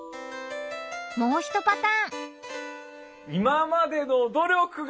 もうひとパターン！